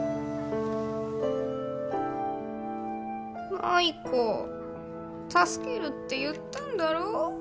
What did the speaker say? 「舞子助けるって言ったんだろ？」